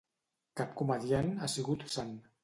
Cap comediant ha sigut sant.